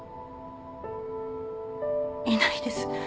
いないです。